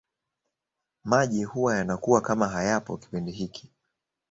Maji huwa yanakuwa kama hayapo kipindi hiki